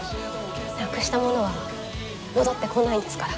なくしたものは戻ってこないんですから。